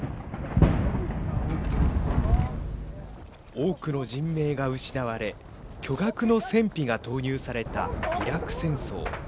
多くの人命が失われ巨額の戦費が投入されたイラク戦争。